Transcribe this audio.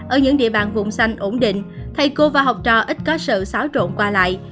ở những địa bàn vùng xanh ổn định thầy cô và học trò ít có sự xáo trộn qua lại